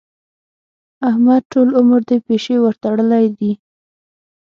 احمد ټول عمر د پيشي ورتړلې دي.